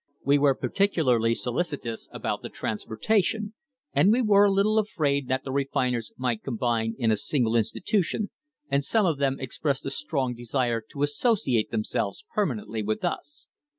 We were particularly solicitous about the transportation, and we were a little afraid that the refiners might combine in a single institution, and some of them expressed a strong desire to associate themselves permanently with us.